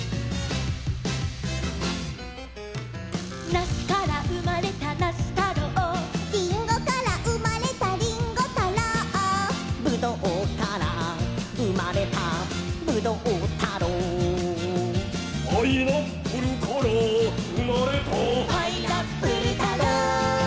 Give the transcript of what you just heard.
「なしからうまれたなしたろう」「りんごからうまれたりんごたろう」「ぶどうからうまれたぶどうたろう」「ぱいなっぷるからうまれた」「ぱいなっぷるたろう」